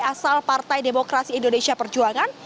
asal partai demokrasi indonesia perjuangan